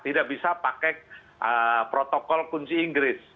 tidak bisa pakai protokol kunci inggris